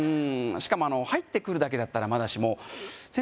しかもあの入ってくるだけだったらまだしも先生